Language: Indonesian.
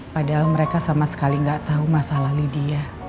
padahal mereka sama sekali gak tau masalah lydia